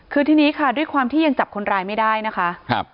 คือทีนี้ค่ะด้วยความที่ยังจับคนร้ายไม่ได้นะคะ